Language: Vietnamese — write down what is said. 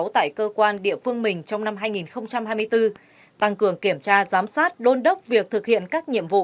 tại cơ quan địa phương mình trong năm hai nghìn hai mươi bốn tăng cường kiểm tra giám sát đôn đốc việc thực hiện các nhiệm vụ